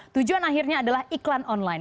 tujuan akhirnya adalah iklan online